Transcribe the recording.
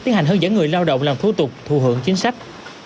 tiến hành hướng dẫn người lao động làm thủ tục thu hưởng chính sách